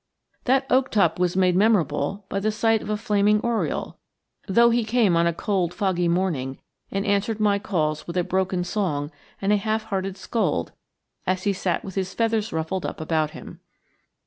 That oak top was made memorable by the sight of a flaming oriole, though he came on a cold foggy morning and answered my calls with a broken song and a half hearted scold as he sat with his feathers ruffled up about him.